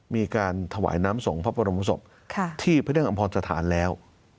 มีการถวายน้ำส่งพระบรมศพที่พระนั่งอำพรสถานแล้ว